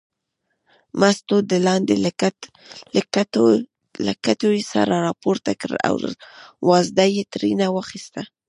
مستو د لاندې له کټوې سر راپورته کړ او وازده یې ترېنه واخیسته.